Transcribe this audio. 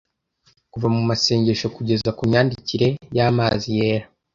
kuva mu masengesho kugeza ku myandikire y'amazi yera